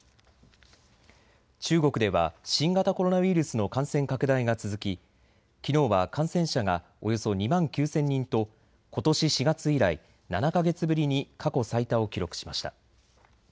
中国では新型コロナウイルスの感染拡大が続き、きのうは感染者がおよそ２万９０００人とことし４月以来、７か月ぶりに過去最多を記録しました。